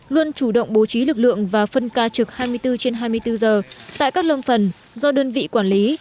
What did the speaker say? luôn chủ động bố trí lực lượng và phân ca trực hai mươi bốn trên hai mươi bốn giờ tại các lâm phần do đơn vị quản lý